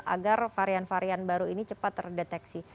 agar varian varian baru ini cepat terdeteksi